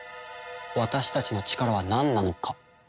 私たちの力はなんなのか？